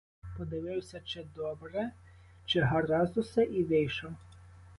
Подивився, чи добре, чи гаразд усе, — і вийшов.